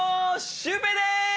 シュウペイです！